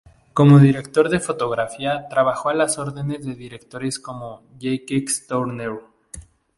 Como director de fotografía trabajó a las órdenes de directores como Jacques Tourneur.